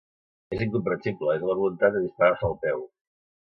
És incomprensible, és la voluntat de disparar-se al peu.